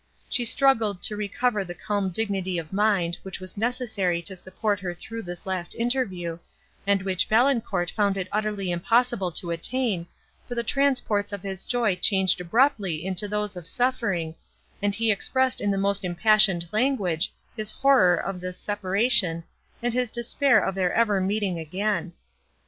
She struggled to recover the calm dignity of mind, which was necessary to support her through this last interview, and which Valancourt found it utterly impossible to attain, for the transports of his joy changed abruptly into those of suffering, and he expressed in the most impassioned language his horror of this separation, and his despair of their ever meeting again.